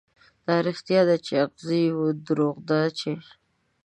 دا رښتيا ده، چې اغزي يو، دروغ دا چې